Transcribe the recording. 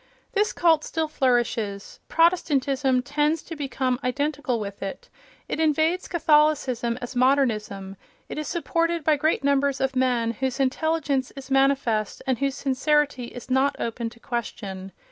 This cult still flourishes; Protestantism tends to become identical with it; it invades Catholicism as Modernism; it is supported by great numbers of men whose intelligence is manifest and whose sincerity is not open to question.